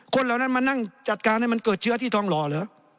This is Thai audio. เหล่านั้นมานั่งจัดการให้มันเกิดเชื้อที่ทองหล่อเหรอ